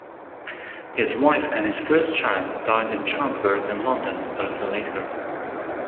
His wife and his first child died in childbirth in London a little later.